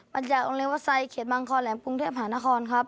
มาจากโรงเรียนวาซัยเขตบางคอนแหลมปรุงเทพฯหานครครับ